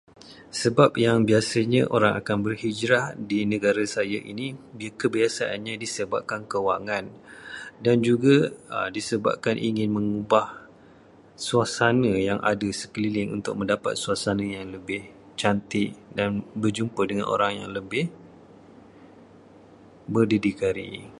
Sebab yang biasanya orang akan berhijrah di negara saya ini, kebiasaannya disebabkan kewangan, dan juga disebabkan ingin mengubah suasana yang ada sekeliling untuk mendapatkan suasana yang lebih cantik dan berjumpa dengan orang yang lebih berdikari.